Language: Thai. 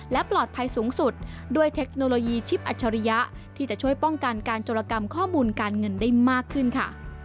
และปลอดภัยสูงสุดด้วยเทคโนโลยีชิปอัจฉริยะที่จะช่วยป้องกันการจรกรรมข้อมูลการเงินได้มากขึ้นค่ะ